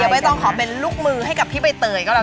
เดี๋ยวใบตองขอเป็นลูกมือให้กับพี่ใบเต๋ยก็แล้วค่ะ